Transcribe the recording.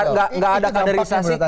enggak ada kaderisasi